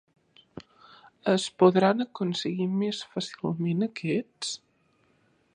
Es podran aconseguir més fàcilment aquests?